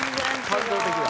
感動的や。